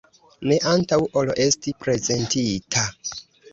Ne antaŭ ol esti prezentita.